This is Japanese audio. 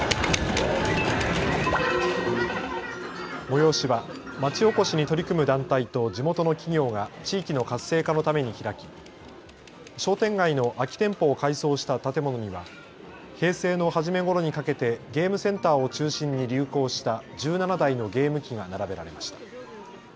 催しは町おこしに取り組む団体と地元の企業が地域の活性化のために開き商店街の空き店舗を改装した建物には平成の初めごろにかけてゲームセンターを中心に流行した１７台のゲーム機が並べられました。